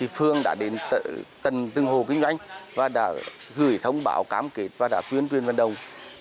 phương đã đến từng hồ kinh doanh để gửi thông báo cam kết và đã tuyên truyền vận động